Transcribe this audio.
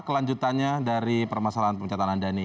kelanjutannya dari permasalahan pencatatan anda ini